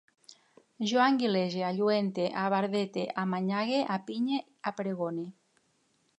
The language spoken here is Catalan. Jo anguilege, alluente, abarbete, amanyague, apinye, apregone